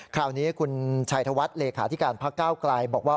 คราวนี้คุณชัยธวัฒน์เลขาธิการพักก้าวไกลบอกว่า